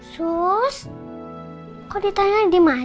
sus kok ditanya di maja